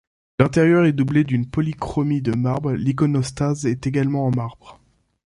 L'intérieur est doublé d'une polychromie de marbre, l'iconostase est également en marbre.